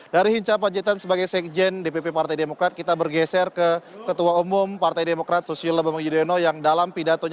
dari hinca panjitan sebagai sekjen dpp partai demokrat kita bergeser ke ketua umum partai demokrat susiul lepamung yudeno